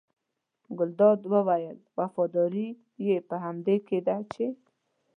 ګلداد وویل وفاداري یې په همدې کې ده چې.